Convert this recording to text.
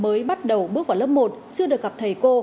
mới bắt đầu bước vào lớp một chưa được gặp thầy cô